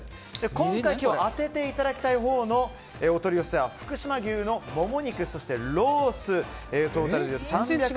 今回、当てていただきたいほうのお取り寄せは福島牛のモモ肉、そしてローストータルで３００ｇ。